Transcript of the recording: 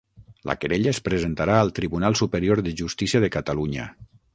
La querella es presentarà al Tribunal Superior de Justícia de Catalunya